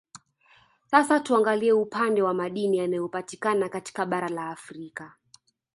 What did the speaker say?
Sasa tuangalie upande wa Madini yanayopatikana katika bara la afrika